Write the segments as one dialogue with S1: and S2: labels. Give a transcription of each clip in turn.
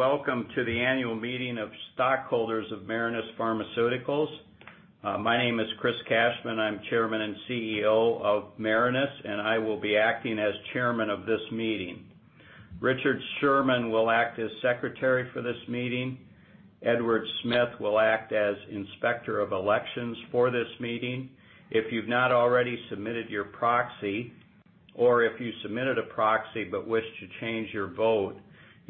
S1: Welcome to the annual meeting of stockholders of Marinus Pharmaceuticals. My name is Chris Cashman. I'm Chairman and CEO of Marinus, and I will be acting as Chairman of this meeting. Richard Sherman will act as Secretary for this meeting. Edward Smith will act as Inspector of Elections for this meeting. If you've not already submitted your proxy, or if you submitted a proxy but wish to change your vote,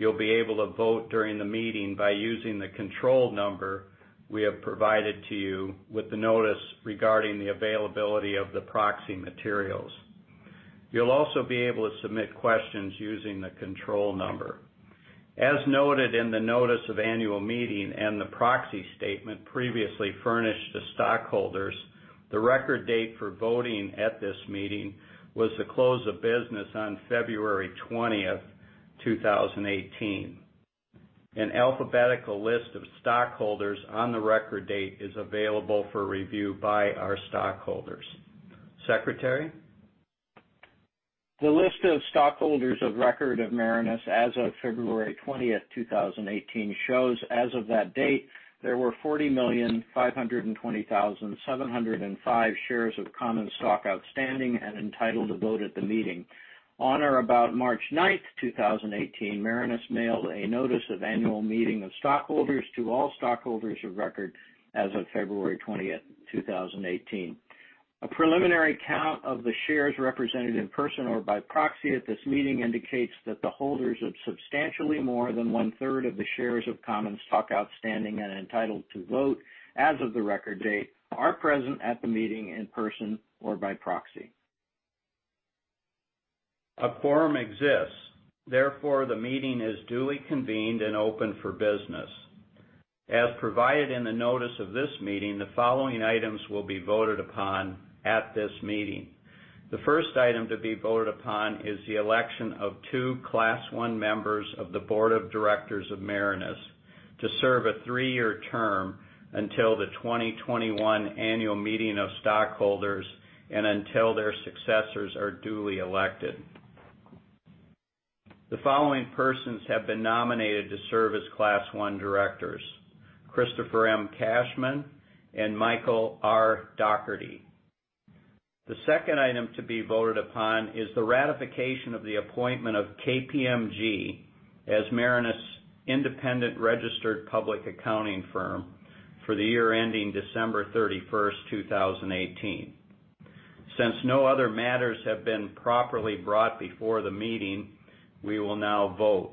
S1: you'll be able to vote during the meeting by using the control number we have provided to you with the notice regarding the availability of the proxy materials. You'll also be able to submit questions using the control number. As noted in the notice of annual meeting and the proxy statement previously furnished to stockholders, the record date for voting at this meeting was the close of business on February 20th, 2018. An alphabetical list of stockholders on the record date is available for review by our stockholders. Secretary?
S2: The list of stockholders of record of Marinus as of February 20th, 2018, shows as of that date, there were 40,520,705 shares of common stock outstanding and entitled to vote at the meeting. On or about March 9th, 2018, Marinus mailed a notice of annual meeting of stockholders to all stockholders of record as of February 20th, 2018. A preliminary count of the shares represented in person or by proxy at this meeting indicates that the holders of substantially more than one-third of the shares of common stock outstanding and entitled to vote as of the record date are present at the meeting in person or by proxy.
S1: A quorum exists. Therefore, the meeting is duly convened and open for business. As provided in the notice of this meeting, the following items will be voted upon at this meeting. The first item to be voted upon is the election of two Class I members of the Board of Directors of Marinus to serve a three-year term until the 2021 annual meeting of stockholders and until their successors are duly elected. The following persons have been nominated to serve as Class I Directors, Christopher M. Cashman and Michael R. Dougherty. The second item to be voted upon is the ratification of the appointment of KPMG as Marinus' independent registered public accounting firm for the year ending December 31st, 2018. Since no other matters have been properly brought before the meeting, we will now vote.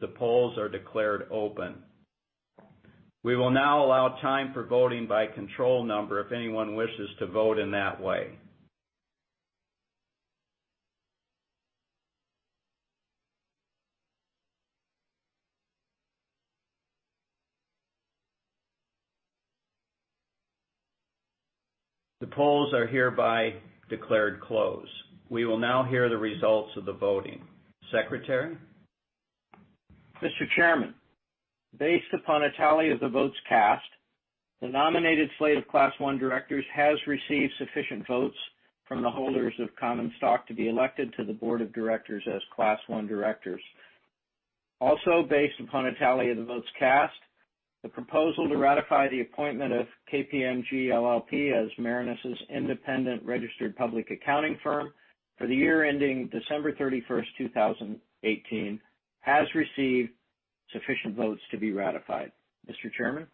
S1: The polls are declared open. We will now allow time for voting by control number if anyone wishes to vote in that way. The polls are hereby declared closed. We will now hear the results of the voting. Secretary?
S2: Mr. Chairman, based upon a tally of the votes cast, the nominated slate of Class I directors has received sufficient votes from the holders of common stock to be elected to the board of directors as Class I directors. Also, based upon a tally of the votes cast, the proposal to ratify the appointment of KPMG LLP as Marinus' independent registered public accounting firm for the year ending December 31st, 2018, has received sufficient votes to be ratified. Mr. Chairman?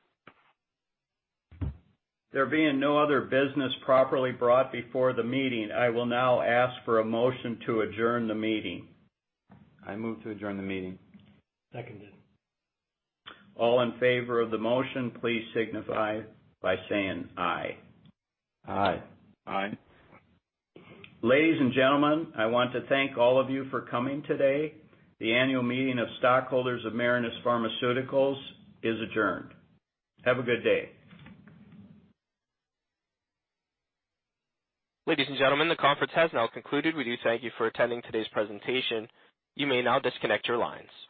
S1: There being no other business properly brought before the meeting, I will now ask for a motion to adjourn the meeting.
S3: I move to adjourn the meeting. Seconded.
S1: All in favor of the motion, please signify by saying aye.
S3: Aye. Aye.
S1: Ladies and gentlemen, I want to thank all of you for coming today. The annual meeting of stockholders of Marinus Pharmaceuticals is adjourned. Have a good day.
S4: Ladies and gentlemen, the conference has now concluded. We do thank you for attending today's presentation. You may now disconnect your lines.